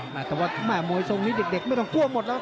แต่ว่าแม่มวยทรงนี้เด็กไม่ต้องกลัวหมดแล้ว